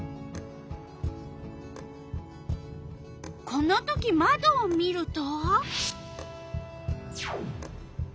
このときまどを見ると？